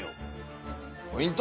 ポイント